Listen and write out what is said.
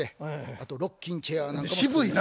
あとロッキングチェアなんかも作りました。